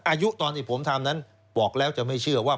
อายุตอนที่ผมทำนั้นบอกแล้วจะไม่เชื่อว่า